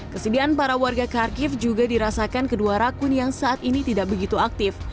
kesediaan para warga kharkiv juga dirasakan kedua rakun yang saat ini tidak begitu aktif